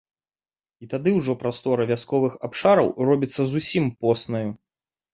І тады ўжо прастора вясковых абшараў робіцца зусім поснаю.